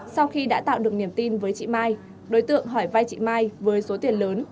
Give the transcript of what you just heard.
sau khi đã tạo được niềm tin với chị mai đối tượng hỏi vai chị mai với số tiền lớn